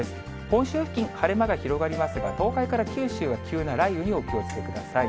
本州付近、晴れ間が広がりますが、東海から九州は急な雷雨にお気をつけください。